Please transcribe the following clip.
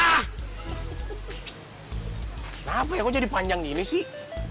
kenapa ya kok jadi panjang gini sih